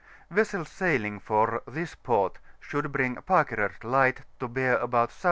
Vessels sailing for this port should bring Fakerort Light to bear about S.E.